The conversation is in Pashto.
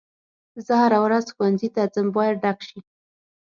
زه هره ورځ ښوونځي ته ځم باید ډک شي.